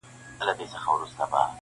یوه غټه زنګوله یې وه په غاړه -